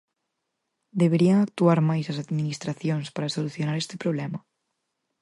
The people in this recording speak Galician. Deberían actuar máis as Administracións para solucionar este problema?